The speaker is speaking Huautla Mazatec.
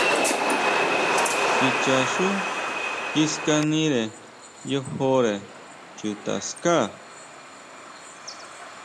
Kichaxú kiskanire yojore chuta ská.